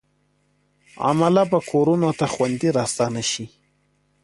عمله به کورونو ته خوندي راستانه شي.